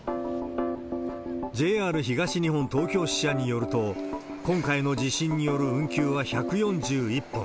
ＪＲ東日本東京支社によると、今回の地震による運休は１４１本。